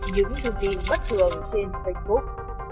những thông tin bất thường trên facebook